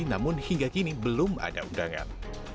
namun hingga kini belum ada undangan